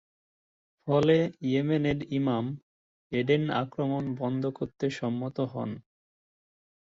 ফলে ইয়েমেনের ইমাম এডেন আক্রমণ বন্ধ করতে সম্মত হন।